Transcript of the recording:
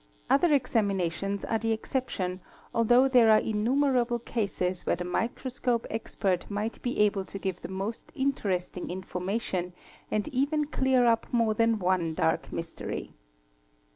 Other examinations are the exception, although there are innumerable cases where the microscope expert might be able to give the most interesting information and even clear up more than one dark mystery.